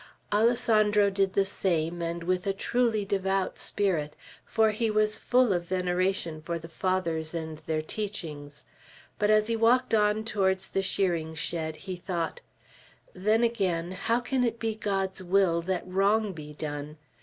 Alessandro did the same, and with a truly devout spirit, for he was full of veneration for the Fathers and their teachings; but as he walked on towards the shearing shed he thought: "Then, again, how can it be God's will that wrong be done?